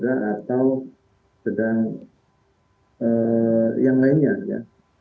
atau sedang yang lainnya ya